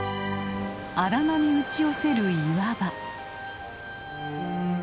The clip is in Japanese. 荒波打ち寄せる岩場。